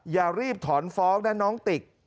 อย่ารีบถอนฟ้องนะน้องติก